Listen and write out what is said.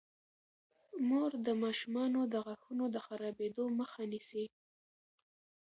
مور د ماشومانو د غاښونو د خرابیدو مخه نیسي.